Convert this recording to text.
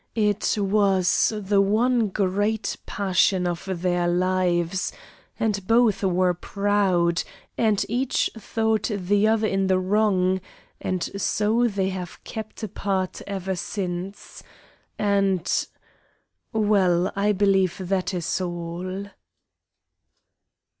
It was the one great passion of their lives, and both were proud, and each thought the other in the wrong, and so they have kept apart ever since. And well, I believe that is all."